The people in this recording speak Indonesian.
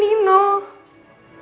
tapi lama kelamaan aku ngerasa